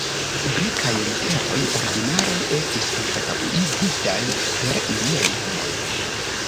Grekaj literoj ordinare estis anstataŭigitaj per iliaj nomoj.